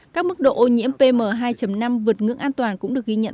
các mức độ ô nhiễm pm hai năm vượt ngưỡng an toàn cũng được ghi nhận